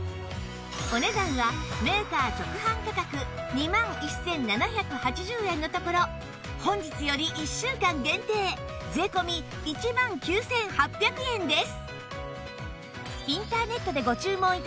お値段はメーカー直販価格２万１７８０円のところ本日より１週間限定税込１万９８００円です